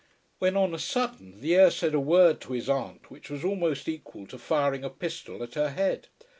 When, on a sudden, the heir said a word to his aunt which was almost equal to firing a pistol at her head.